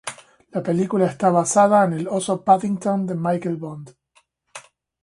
La película está basada en el Oso Paddington de Michael Bond.